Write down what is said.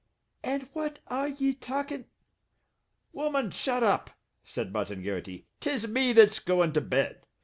"And what are ye talkin' " "Woman, shut up," said Martin Garrity. "'Tis me that's goin' to bed.